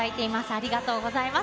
ありがとうございます。